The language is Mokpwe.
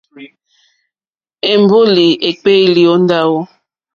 Èmbólì èkpéélì ó ndáwò.